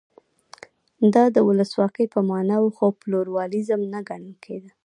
دا د ولسواکۍ په معنا و خو پلورالېزم نه ګڼل کېده.